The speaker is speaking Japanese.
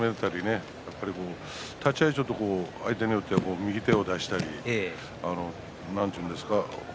立ち合いちょっと相手によっては右手を出したりなんちゅうんですか？